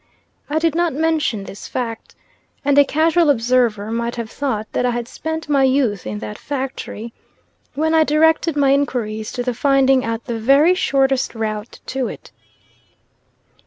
I did not mention this fact; and a casual observer might have thought that I had spent my youth in that factory, when I directed my inquiries to the finding out the very shortest route to it.